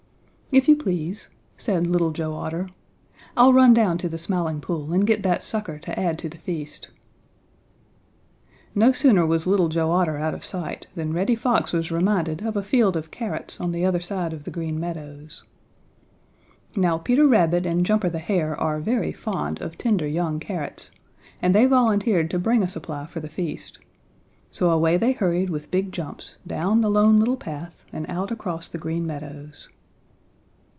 "If you please," said Little Joe Otter, "I'll run down to the Smiling Pool and get that sucker to add to the feast." No sooner was Little Joe Otter out of sight than Reddy Fox was reminded of a field of carrots on the other side of the Green Meadows. Now Peter Rabbit and Jumper the Hare are very fond of tender young carrots and they volunteered to bring a supply for the feast. So away they hurried with big jumps down the Lone Little Path and out across the Green Meadows.